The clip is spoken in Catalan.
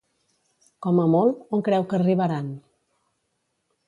Com a molt, on creu que arribaran?